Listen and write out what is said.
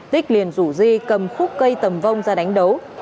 tích liền rủ di cầm khúc cây tầm vong ra đánh đấu